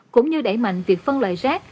cũng như đẩy mạnh việc phân loại rác